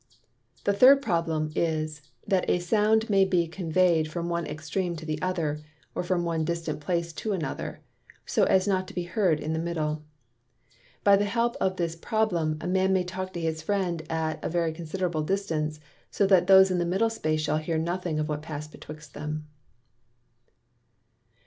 The third Problem, is, That a Sound may be convey'd from one extreme to the other (or from one distant place to another) so as not to be heard in the middle. By the help of this Problem a Man may talk to his Friend at a very considerable distance, so that those in the middle space shall hear nothing of what passed betwixt them.